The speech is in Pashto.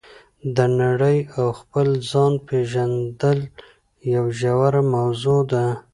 د نړۍ او خپل ځان پېژندل یوه ژوره موضوع ده.